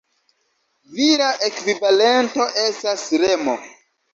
Vira ekvivalento estas Remo.